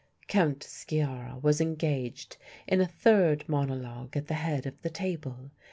Count Sciarra was engaged in a third monologue at the head of the table.